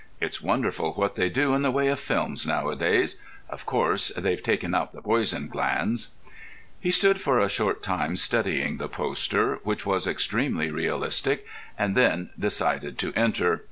"It's wonderful what they do in the way of films nowadays. Of course, they've taken out the poison glands." He stood for a short time studying the poster, which was extremely realistic, and then decided to enter.